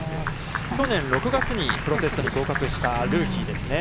去年６月にプロテストに合格したルーキーですね。